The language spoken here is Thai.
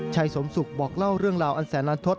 สมศุกร์บอกเล่าเรื่องราวอันแสนล้านทศ